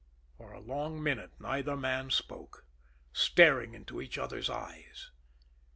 For a long minute neither man spoke staring into each other's eyes.